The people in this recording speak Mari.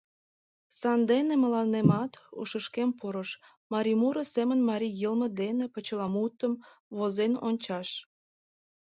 Сандене мыланемат ушышкем пурыш: марий муро семын марий йылме дене почеламутым возен ончаш.